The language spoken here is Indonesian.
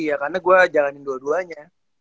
karena gue jalanin dua duanya